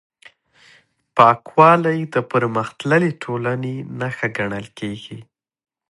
پاکوالی د پرمختللې ټولنې نښه ګڼل کېږي.